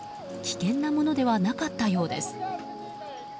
危険なものではなかったようです。